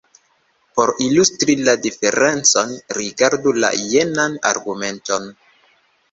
Por ilustri la diferencon, rigardu la jenan argumenton.